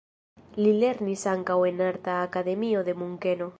Li lernis ankaŭ en arta akademio de Munkeno.